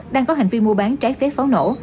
đang có hành vi mua bán trái phép pháo nổ